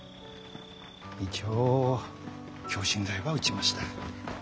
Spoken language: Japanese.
一応強心剤は打ちました。